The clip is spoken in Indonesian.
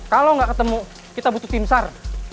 kalau nggak ketemu kita butuh tim sar